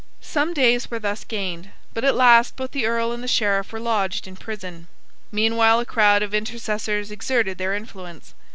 Some days were thus gained: but at last both the Earl and the Sheriff were lodged in prison. Meanwhile a crowd of intercessors exerted their influence.